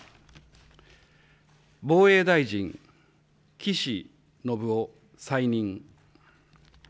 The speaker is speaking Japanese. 防衛大臣、岸信夫、再任。